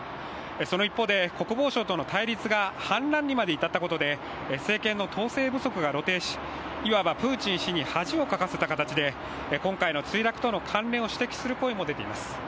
その一方で、国防省との対立が反乱にまで至ったことで政権の統制不足が露呈し、いわばプーチン氏に恥をかかせた形で、今回の墜落との関連を指摘する声も出ています。